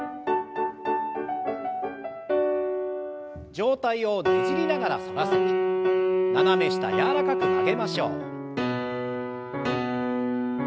上体をねじりながら反らせて斜め下柔らかく曲げましょう。